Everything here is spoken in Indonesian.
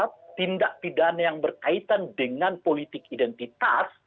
karena tindak pidana yang berkaitan dengan politik identitas